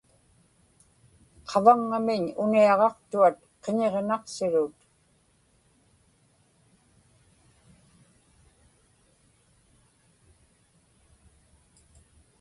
qavaŋŋamiñ uniaġaqtuat qiñiġnaqsirut